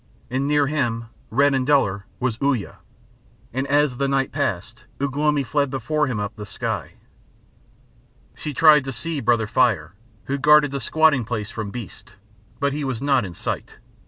And near him, red and duller, was Uya, and as the night passed Ugh lomi fled before him up the sky. She tried to see Brother Fire, who guarded the squatting place from beasts, but he was not in sight.